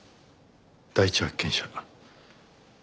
第一発見者。